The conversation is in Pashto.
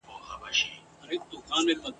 كه تل غواړئ پاچهي د شيطانانو !.